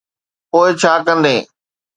پوءِ ڇا ڪندين؟